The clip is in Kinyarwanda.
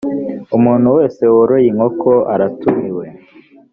umuntu wese woroye inkoko aratumiwe.